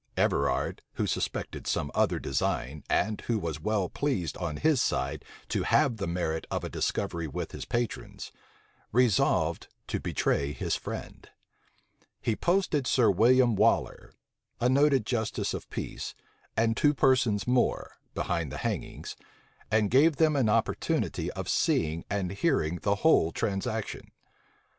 Everard, who suspected some other design, and who was well pleased on his side to have the merit of a discovery with his patrons, resolved to betray his friend: he posted Sir William Waller, a noted justice of peace, and two persons more, behind the hangings, and gave them an opportunity of seeing and hearing the whole transaction.